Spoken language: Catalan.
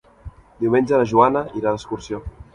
Diumenge na Joana irà d'excursió.